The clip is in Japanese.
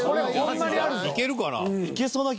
いけるかな？